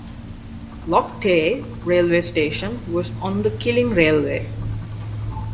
Loch Tay railway station was on the Killin Railway.